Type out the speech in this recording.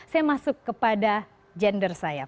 saya masuk kepada gender saya